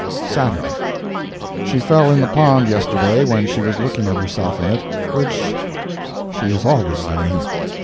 SATURDAY. She fell in the pond yesterday when she was looking at herself in it, which she is always doing.